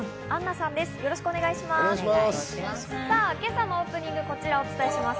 さぁ今朝のオープニング、こちらをお伝えします。